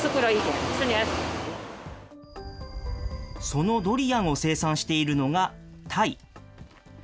そのドリアンを生産しているのがタイ。